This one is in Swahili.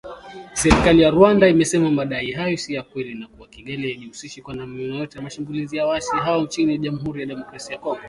Serikali ya Rwanda, imesema madai hayo si ya kweli, na kua Kigali haijihusishi kwa namna yoyote na mashambulizi ya waasi hao nchini Jamhuri ya Kidemokrasia ya Kongo